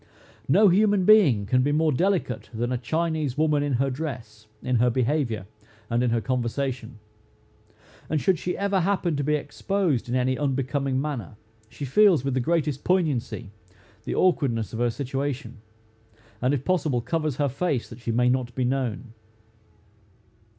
No human being can be more delicate than a Chinese woman in her dress, in her behavior, and in her conversation; and should she ever happen to be exposed in any unbecoming manner, she feels with the greatest poignancy the awkwardness of her situation, and if possible, covers her face, that she may not be known.